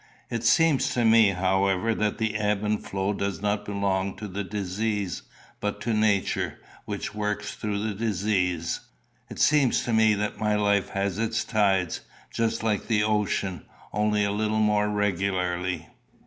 "It seems to me, however, that the ebb and flow does not belong to the disease, but to Nature, which works through the disease. It seems to me that my life has its tides, just like the ocean, only a little more regularly.